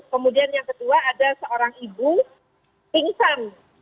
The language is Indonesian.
kemudian yang kedua ada seorang ibu pingsan